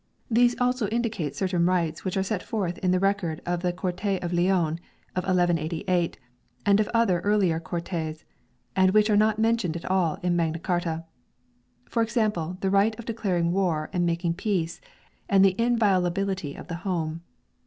1 They also indi cate certain rights which are set forth in the record of the Cortes of Leon of 1188, and of other earlier Cortes, and which are not mentioned at all in Magna Carta; .for example the right of declaring war and making peace, and the inviolability of the home.